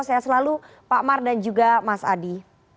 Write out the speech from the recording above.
saya selalu pak mar dan juga mas adi